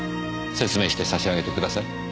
説明して差し上げてください。